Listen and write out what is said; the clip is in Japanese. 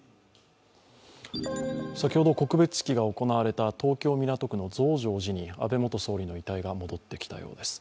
先ほど告別式が行われた東京・港区の増上寺に安倍元総理の遺体が戻ってきたようです。